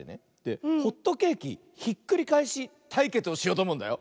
ホットケーキひっくりかえしたいけつをしようとおもうんだよ。